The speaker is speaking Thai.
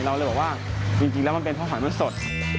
เราเลยบอกว่าจริงแล้วมันเป็นเพราะหอยมันสด